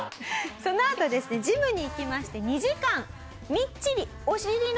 そのあとですねジムに行きまして２時間みっちりお尻のトレーニングをします。